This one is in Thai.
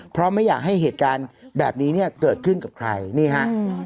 เพราะไม่อยากให้เหตุการณ์แบบนี้เนี่ยเกิดขึ้นกับใครนี่ฮะ